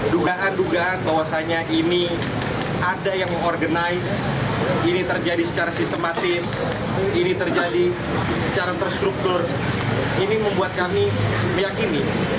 dugaan dugaan bahwasannya ini ada yang mengorganize ini terjadi secara sistematis ini terjadi secara terstruktur ini membuat kami meyakini